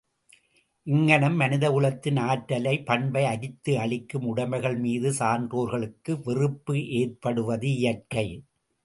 இங்ஙனம் மனிதகுலத்தின் ஆற்றலை, பண்பை அரித்து அழிக்கும் உடைமைகள் மீது சான்றோர்களுக்கு வெறுப்பு ஏற்படுவது இயற்கை.